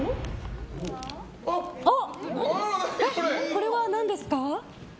これは何ですか？